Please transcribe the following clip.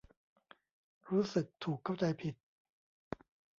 รู้สึกถูกเข้าใจผิด